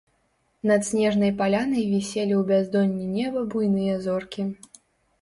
Над снежнай палянай віселі ў бяздонні неба буйныя зоркі.